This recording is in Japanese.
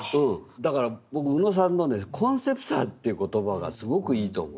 だから僕宇野さんのね「コンセプター」という言葉がすごくいいと思う。